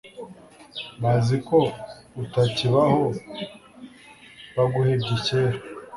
bazi ko utakibaho baguhebye kera